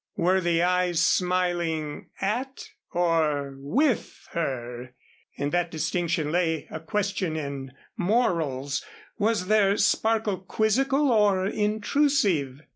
Were the eyes smiling at, or with her? In that distinction lay a question in morals. Was their sparkle quizzical or intrusive?